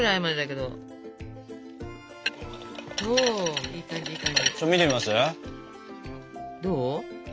どう？